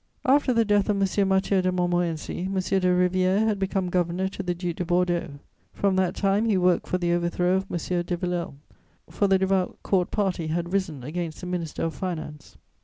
After the death of M. Mathieu de Montmorency, M. de Rivière had become governor to the Duc de Bordeaux; from that time he worked for the overthrow of M. de Villèle, for the devout Court Party had risen against the Minister of Finance.